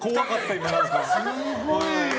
すごい。